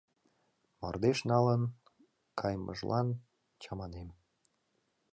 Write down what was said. Мардеж налын кайымыжлан чаманем